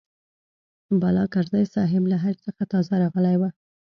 بالاکرزی صاحب له حج څخه تازه راغلی و.